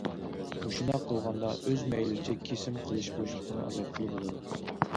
مۇشۇنداق قىلغاندا ئۆز مەيلىچە كېسىم قىلىش بوشلۇقىنى ئازايتقىلى بولىدۇ.